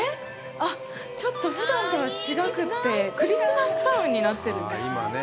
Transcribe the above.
あっ、ちょっとふだんとは違くってクリスマスタウンになってるんですね。